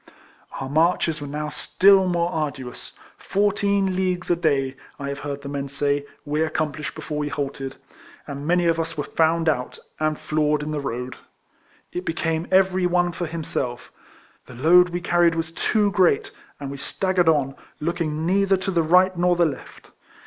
Our marches were now still more arduous ; fourteen leagues a day, I have heard the men say, we accomplished before we halted ; and many of us were found out, and floored in the road. It became every one for him self. The load we carried was too great, and we staggered on, looking neither to the right nor the left.